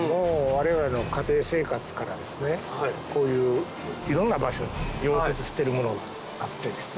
我々の家庭生活からですねこういういろんな場所に溶接してるものがあってですね。